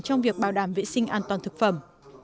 trong việc bảo đảm vệ sinh an toàn thực phẩm